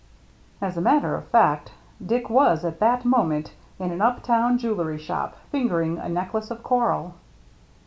As a matter of fact, Dick was at that mo ment in an up town jewellery shop, fingering a necklace of coral.